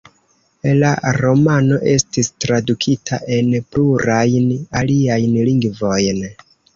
La romano estis tradukita en plurajn aliajn lingvojn.